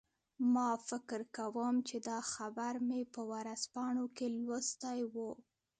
ما فکر کوم چې دا خبر مې په ورځپاڼو کې لوستی و